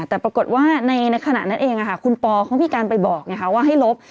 แต่ปรากฏว่าในขณะนั้นเองคุณปอเขามีการไปบอกไงคะว่าให้ลบ